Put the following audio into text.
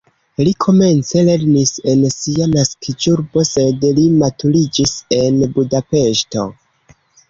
Li komence lernis en sia naskiĝurbo, sed li maturiĝis en Budapeŝto.